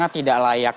karena tidak layak